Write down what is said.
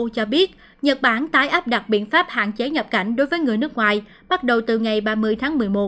cho biết nhật bản tái áp đặt biện pháp hạn chế nhập cảnh đối với người nước ngoài bắt đầu từ ngày ba mươi tháng một mươi một